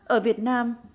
ở việt nam